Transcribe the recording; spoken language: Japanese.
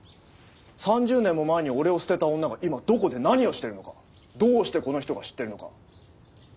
３０年も前に俺を捨てた女が今どこで何をしてるのかどうしてこの人が知ってるのか。